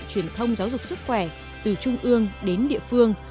truyền thông giáo dục sức khỏe từ trung ương đến địa phương